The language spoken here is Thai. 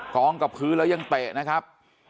กองกับพื้นแล้วยังเตะนะครับ